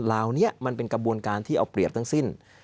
เหล่านี้มันเป็นกระบวนการที่เอาเปรียบทั้งสิ้น